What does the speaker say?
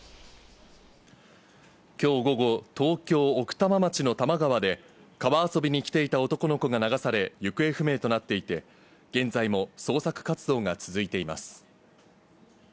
きょう午後、東京・奥多摩町の多摩川で川遊びに来ていた男の子が流され、行方不明となっていて、現在も捜索活動が続いています。